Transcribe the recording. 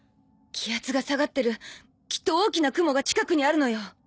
気圧が下がってるきっと大きな雲が近くにあるのよ